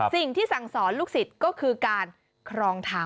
สิ่งที่สั่งสอนลูกศิษย์ก็คือการครองธรรม